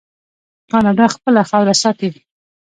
کاناډا خپله خاوره ساتي.